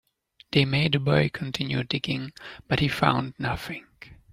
They made the boy continue digging, but he found nothing.